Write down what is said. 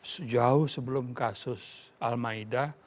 sejauh sebelum kasus al maida